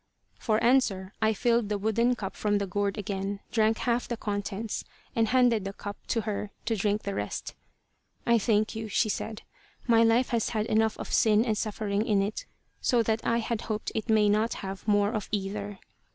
For answer I filled the wooden cup from the gourd again, drank half the contents, and handed the cup to her to drink the rest. "I thank you," she said. "My life has had enough of sin and suffering in it so that I have hoped it may not have more of either.